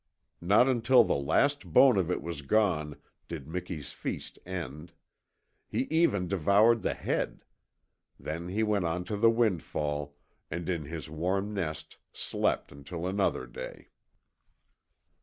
Not until the last bone of it was gone did Miki's feast end. He even devoured the head. Then he went on to the windfall, and in his warm nest slept until another day.